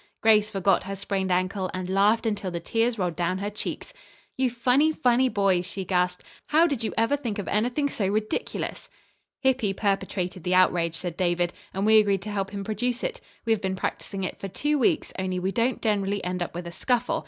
Grace forgot her sprained ankle and laughed until the tears rolled down her cheeks. "You funny, funny boys," she gasped, "how did you ever think of anything so ridiculous!" "Hippy perpetrated the outrage," said David "and we agreed to help him produce it. We have been practising it for two weeks, only we don't generally end up with a scuffle.